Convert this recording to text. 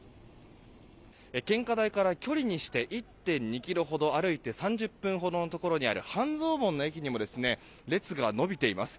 献花台から距離にして１．２ｋｍほど、歩いて３０分ほどのところにある半蔵門の駅にも列が伸びています。